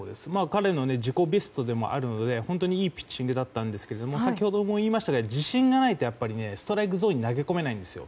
彼の自己ベストでもあるので本当にいいピッチングだったんですが先ほども言いましたが自信がないとストライクゾーンに投げ込めないんです。